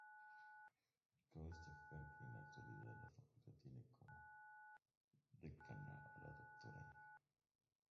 Cabe destacar que en la actualidad la Facultad tiene como Decana a la Dra.